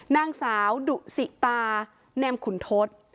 นางสาวดุสิตาแนมขุนทศ